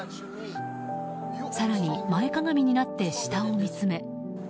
更に、前かがみになって下を見つめ。